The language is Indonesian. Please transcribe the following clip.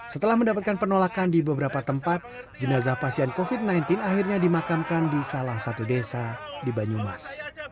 setelah mendapatkan penolakan di beberapa tempat jenazah pasien covid sembilan belas akhirnya dimakamkan di salah satu desa di banyumas